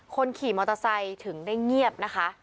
คนขี่มอเตอร์ไซค์ถึงได้เงียบนะคะ